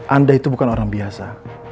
anda itu bukan orang biasa